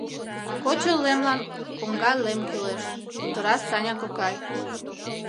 — Кочо лемлан коҥга лем кӱлеш, — кутыра Саня кокай.